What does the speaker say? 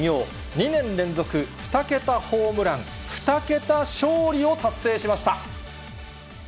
２年連続２桁ホームラン、２桁勝利を達成しました。